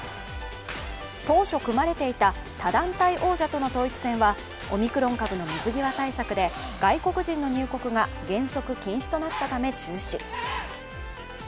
当初組まれていた他団体王者との統一戦はオミクロン株の水際対策で外国人の入国が原則禁止となったため中止。